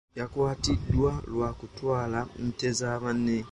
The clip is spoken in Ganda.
Yakwatiddwa lwa kutwala nte za banne.